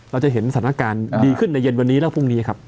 เราจะเห็นสถานการณ์ดีขึ้นในเย็นวันนี้และพรุ่งนี้ครับ